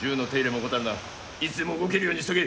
いつでも動けるようにしておけ。